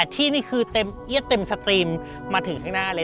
๘ที่นี่คือเยอะเต็มสตรีมมาถึงข้างหน้าเลย